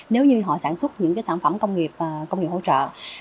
nếu như họ sản xuất những sản phẩm công nghiệp công nghiệp hỗ trợ